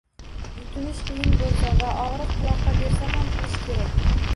Yutinish qiyin bo‘lsa va og‘riq quloqqa bersa nima qilish kerak?